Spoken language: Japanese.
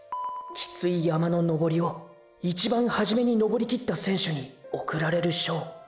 きつい山の登りを一番初めに登りきった選手に贈られる賞。